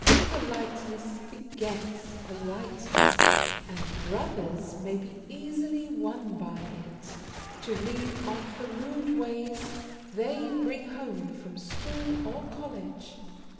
Politeness begets politeness, and brothers may be easily won by it, to leave off the rude ways they bring home from school or college.